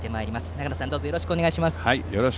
長野さん、よろしくお願いします。